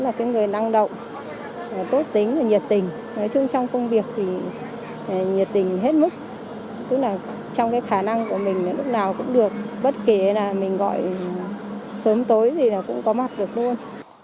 cô là người năng động tốt tính nhiệt tình hết mức trong khả năng của mình lúc nào cũng được bất kể mình gọi sớm tối cũng có mặt được luôn